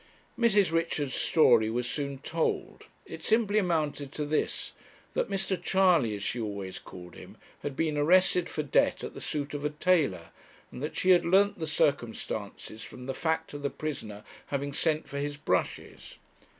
Mrs. Richards' story was soon told. It simply amounted to this that 'Mister Charley,' as she always called him, had been arrested for debt at the suit of a tailor, and that she had learnt the circumstances from the fact of the prisoner having sent for his brushes.